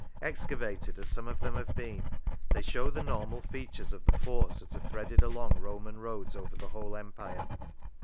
Excavated, as some of them have been, they show the normal features of the forts that are threaded along Roman roads over the whole Empire.